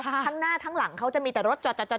ทั้งหน้าทั้งหลังเขาจะมีแต่รถจอดจอดจอด